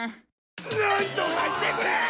なんとかしてくれ！